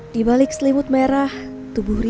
di balik selimut merah tubuh ria